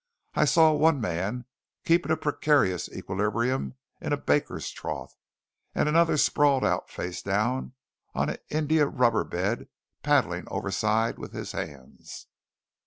I saw one man keeping a precarious equilibrium in a baker's trough; and another sprawled out face down on an India rubber bed paddling overside with his hands.